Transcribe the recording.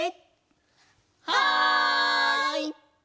はい！